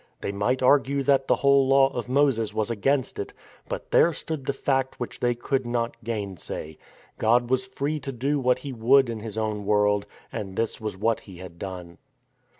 They might argue that the whole Law of Moses was against it, but there stood the Fact which they could not gainsay. God was free to do what He would in His own world ; and this was what He had done.